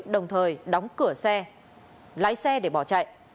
đồng thời đóng cửa xe lái xe để bỏ chạy